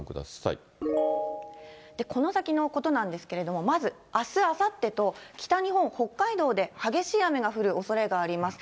この先のことなんですけれども、まずあす、あさってと、北日本、北海道で激しい雨が降るおそれがあります。